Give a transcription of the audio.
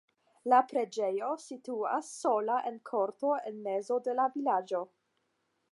La preĝejo situas sola en korto en mezo de la vilaĝo.